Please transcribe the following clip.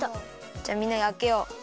じゃあみんなであけよう。